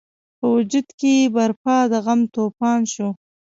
په وجود کې یې برپا د غم توپان شو.